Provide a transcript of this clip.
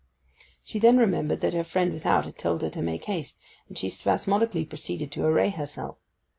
She then remembered that her friend without had told her to make haste, and she spasmodically proceeded to array herself.